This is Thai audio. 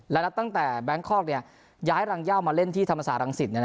และนับตั้งแต่แบงคอกย้ายรังย่ามาเล่นที่ธรรมศาสตรังสิต